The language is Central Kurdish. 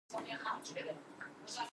کەمێک یارمەتیم لە ئێوە دەوێت.